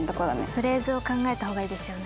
フレーズを考えた方がいいですよね。